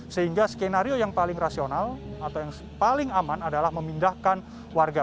sehingga skenario yang paling rasional atau yang paling aman adalah memindahkan warga